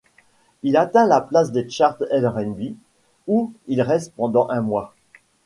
Il atteint la place des charts R&B, où il reste pendant un mois.